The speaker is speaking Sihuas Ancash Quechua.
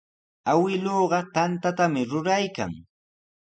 Awkilluuqa tantatami ruraykan.